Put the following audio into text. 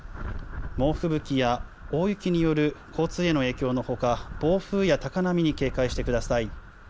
猛吹雪や大雪による交通への影響のほか、暴風や高波に警戒してください。